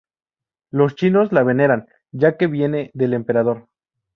Los chinos la veneran, ya que viene del emperador.